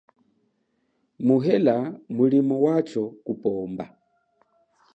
Muhela mulimo wacho kupomba.